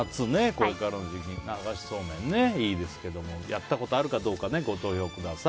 これからの時期に流しそうめんいいですけどやったことあるかどうかご投票ください。